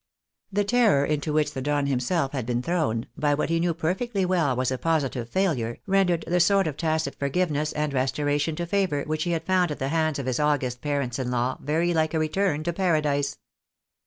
The terror into which the Don himself had been thrown, by what he perfectly well knew was a positive failure, rendered the sort ot tacit forgiveness and restoration to favour which he had found at the hands of his august parents in law very like a return to paradise.